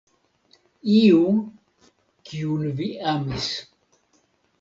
Iu, kiun vi amis.